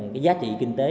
cái giá trị kinh tế